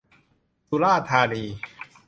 สุราษฏร์ธานี